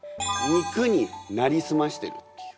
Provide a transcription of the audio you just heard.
肉になりすましてるっていう。